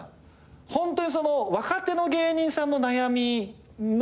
ホントに若手の芸人さんの悩みの感じですよね。